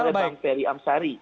dijelaskan oleh bang terry amsari